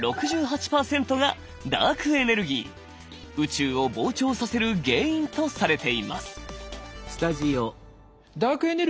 宇宙を膨張させる原因とされています。